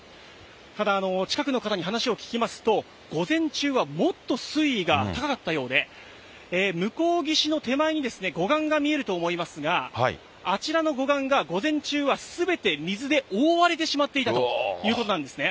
ただ近くの方に話を聞きますと、午前中はもっと水位が高かったようで、向こう岸の手前に護岸が見えると思いますが、あちらの護岸が午前中はすべて水で覆われてしまっていたということなんですね。